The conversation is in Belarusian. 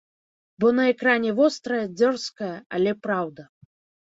Бо на экране вострая, дзёрзкая, але праўда.